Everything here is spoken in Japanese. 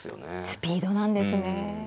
スピードなんですね。